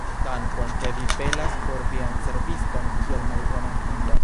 Dankon, ke vi pelas for vian serviston kiel malbonan hundon!